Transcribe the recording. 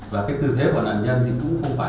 và cái tư thế của nạn nhân thì cũng không phải